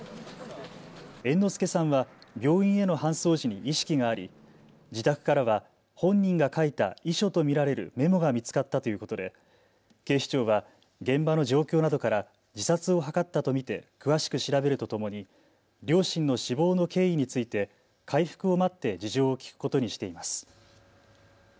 猿之助さんは病院への搬送時に意識があり自宅からは本人が書いた遺書と見られるメモが見つかったということで警視庁は現場の状況などから自殺を図ったと見て詳しく調べるとともに両親の死亡の経緯について回復を待って事情を聴くことにしています。